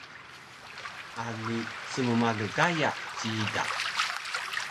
Ali smmalu Gaya ciida